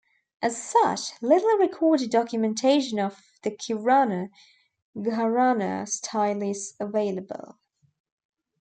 As such, little recorded documentation of the Kirana Gharana style is available.